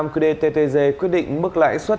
hai trăm năm mươi năm qdttg quyết định mức lãi suất